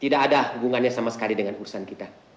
tidak ada hubungannya sama sekali dengan urusan kita